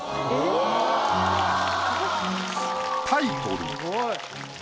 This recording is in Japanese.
タイトル。